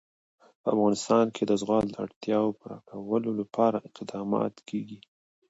په افغانستان کې د زغال د اړتیاوو پوره کولو لپاره اقدامات کېږي.